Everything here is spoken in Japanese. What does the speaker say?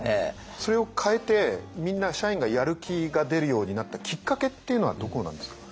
それを変えてみんな社員がやる気が出るようになったきっかけっていうのはどこなんですか？